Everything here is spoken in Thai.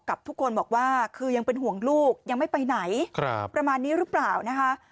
ทุกคนบอกว่าคือยังเป็นห่วงลูกยังไม่ไปไหนประมาณนี้หรือเปล่านะคะ